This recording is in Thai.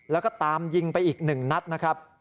แล้วก็ตามยิงไปอีก๑นัดนะครับ